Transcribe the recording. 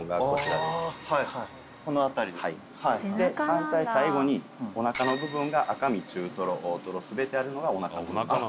反対最後にお腹の部分が赤身中トロ大トロ全てあるのがお腹の部分です。